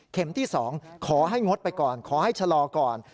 ที่๒ขอให้งดไปก่อนขอให้ชะลอก่อน